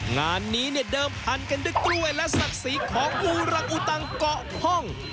งานนี้เนี่ยเดิมพันกันด้วยกล้วยและศักดิ์ศรีของอูรังอุตังเกาะห้อง